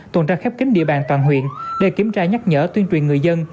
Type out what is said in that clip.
tuần tra khép kính địa bàn toàn huyện để kiểm tra nhắc nhở tuyên truyền người dân